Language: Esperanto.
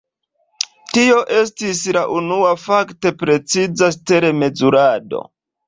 Tio estis la unua fakte preciza stel-mezurado.